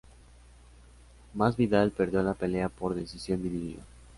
Masvidal perdió la pelea por decisión dividida.